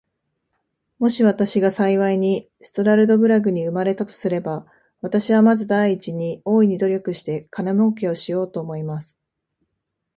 もし私が幸いにストラルドブラグに生れたとすれば、私はまず第一に、大いに努力して金もうけをしようと思います。